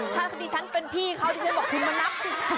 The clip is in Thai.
ถ้าสักทีฉันเป็นพี่เขาถ้าฉันบอกคุณมานับ